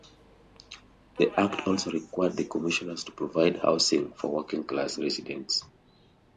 The Act also required the Commissioners to provide housing for working class residents.